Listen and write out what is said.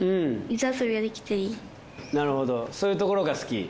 なるほどそういうところが好き？